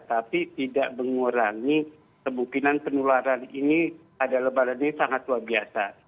tapi tidak mengurangi kemungkinan penularan ini pada lebaran ini sangat luar biasa